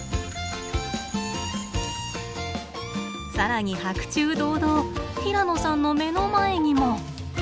さらに白昼堂々平野さんの目の前にも。